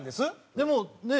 でもねえ